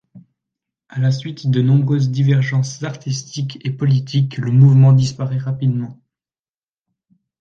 À la suite de nombreuses divergences artistiques et politiques, le mouvement disparaît rapidement.